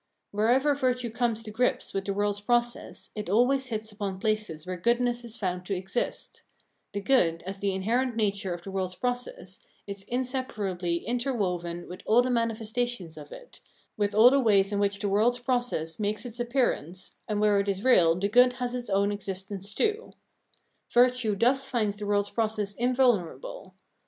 Wherever virtue comes to grips with the world's process, it always hits upon places where goodness is found to exist ; the good, as the in herent nature of the world's process, is inseparably inter woven with all the manifestations of it, with all the ways in which the world's process makes its appearance, and where it is real the good has its own existence too. Virtue thus finds the world's process invulnerable.